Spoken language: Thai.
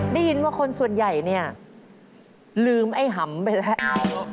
ได้ยินว่าคนส่วนใหญ่เนี่ยลืมไอ้หำไปแล้ว